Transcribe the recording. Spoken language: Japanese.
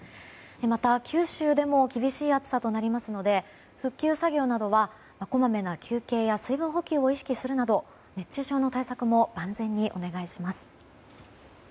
また、九州でも厳しい暑さとなりますので復旧作業などはこまめな休憩や水分補給を意識するなど熱中症の対策も万全にお願いします。